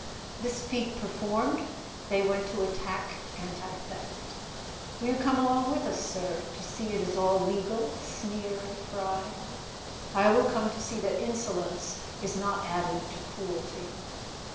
This feat performed, they went to attack anti theft. "Will you come along with us, sir, to see it is all legal?" sneered Fry. "I will come to see that insolence is not added to cruelty."